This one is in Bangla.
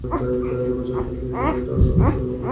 তাই নির্বাচনের তারিখ এগিয়ে এনে তারা দ্রুত সরকার গঠন করতে চায়।